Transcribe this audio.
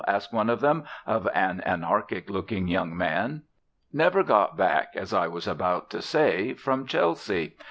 asks one of them, of an anarchic looking young man. Never got back, as I was about to say, from Chelsea.